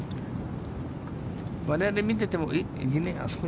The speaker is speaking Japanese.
我々見てても、あれ？